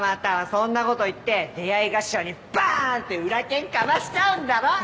そんなこと言って出合い頭にバーンって裏拳かましちゃうんだろ？